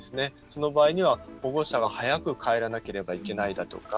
その場合には、保護者が早く帰らなければいけないだとか